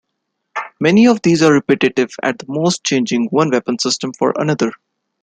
Many of these are repetitive, at the most changing one weapon system for another.